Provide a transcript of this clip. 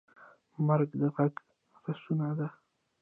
مرکه د غږ رسونه ده.